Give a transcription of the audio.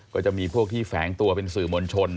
ก็จะมีพวกที่แฝงตัวเป็นสื่อมวลชน